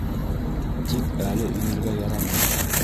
Тик әле инергә ярамай.